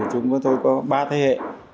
chúng tôi có ba thế hệ